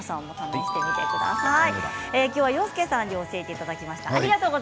今日は洋輔さんに教えていただきました。